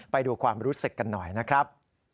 ไปดูความรู้สึกกันหน่อยนะครับ